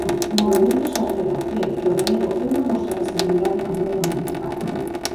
Movemento Salceda cre que o relevo é unha mostra de estabilidade no Goberno municipal.